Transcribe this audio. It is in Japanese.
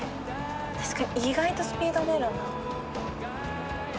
確かに意外とスピード出るな。